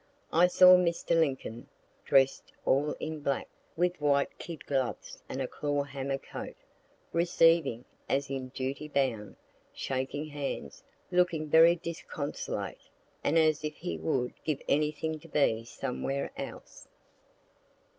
I saw Mr. Lincoln, drest all in black, with white kid gloves and a claw hammer coat, receiving, as in duty bound, shaking hands, looking very disconsolate, and as if he would give anything to be somewhere else.